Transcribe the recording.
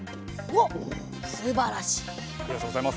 おっすばらしい。